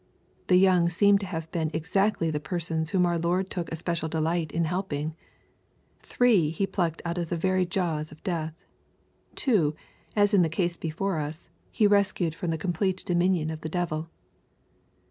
The young seem to have been exactly the persons whom our Lord took a special delight in helping. Three He plucked out of the very jaws of death. Two, as in the case before us. He rescued fix)m the complete dominion of the devil.